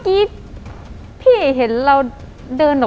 ก็ไม่รู้